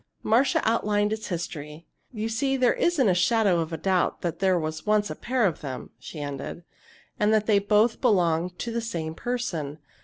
Marcia outlined its history. "You see, there isn't a shadow of doubt that there was once a pair of them," she ended, "and that they both belonged to the same person.